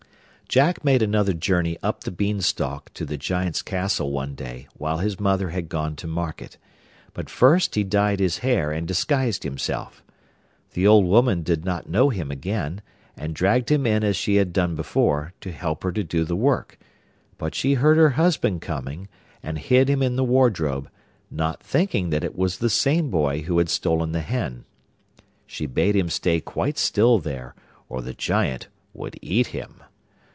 Jack made another journey up the Beanstalk to the Giant's castle one day while his mother had gone to market; but first he dyed his hair and disguised himself. The old woman did not know him again, and dragged him in as she had done before, to help her to do the work; but she heard her husband coming, and hid him in the wardrobe, not thinking that it was the same boy who had stolen the hen. She bade him stay quite still there, or the Giant would eat him.